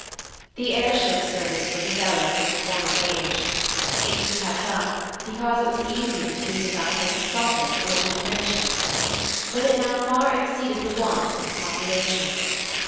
The air ship service was a relic from the former age. It was kept up, because it was easier to keep it up than to stop it or to diminish it, but it now far exceeded the wants of the population.